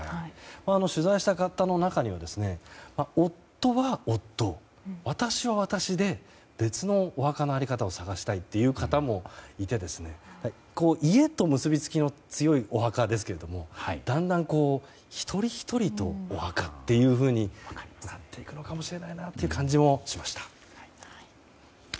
取材した方の中には夫は夫私は私で別のお墓の在り方を探したいっていう方もいて家と結びつきの強いお墓ですけどだんだん一人ひとりとお墓というふうになっていくのかもしれないという感じもしました。